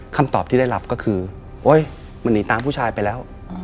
คำตอบที่ได้รับก็คือโอ๊ยมันหนีตามผู้ชายไปแล้ว